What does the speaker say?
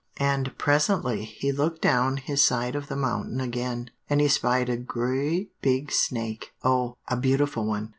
"And presently he looked down his side of the mountain again, and he spied a gre at big snake, oh, a beautiful one!